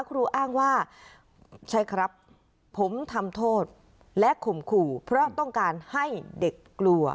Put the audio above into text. ครูอ้างว่าใช่ครับผมทำโทษและข่มขู่เพราะต้องการให้เด็กกลัว